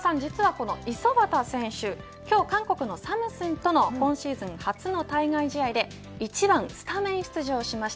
小澤さん、実はこの五十幡選手実は今日の韓国のサムスンとの今シーズン初の対外事案で１番スタメン出場しました。